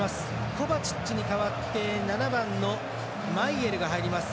コバチッチに代わって７番のマイエルが入ります。